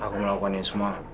aku melakukan ini semua